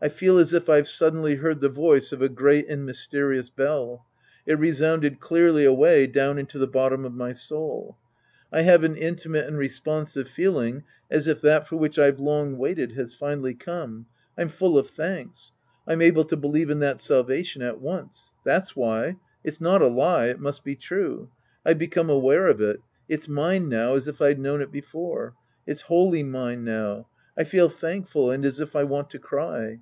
I feel as if I've suddenly heard the voice of a great and mysteri ous bell. It resounded clearly away down into the bottom of my soul. I have an intimate and respon sive feeling as if that for which I've long waited has finally come. I'm full of thanks. I'm able to believe in that salvation at once. That's why. It's not a lie. It must be true. , I've become aware of it. It's mine now, as if I'd known it before. It's wholly mine now. I feel thankful and as if I want to cry.